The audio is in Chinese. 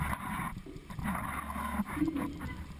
在二三十年代时期曾经是战场上的决胜利器。